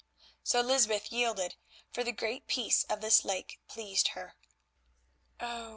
So Lysbeth yielded, for the great peace of this lake pleased her. Oh!